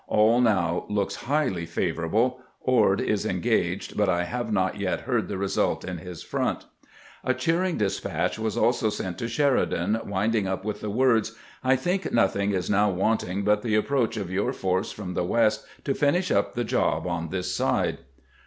All now looks highly favorable. Ord is engaged, but I have not yet heard the result in his front." A cheering despatch was also sent to Sheridan, winding up with the words :" I think nothing is now wanting 446 CAMPAIGNING WITH GKANT but the approach, of your force from the west to finish up the job on this side."